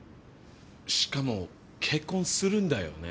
しかも結婚するんだよね。